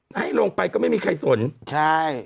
ถ้าให้ลงไปก็ไม่มีใครสนใช่